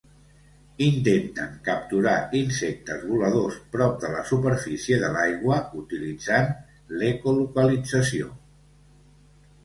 Intenten capturar insectes voladors prop de la superfície de l'aigua utilitzant l'ecolocalització.